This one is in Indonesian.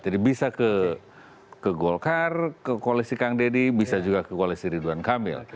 bisa ke golkar ke koalisi kang deddy bisa juga ke koalisi ridwan kamil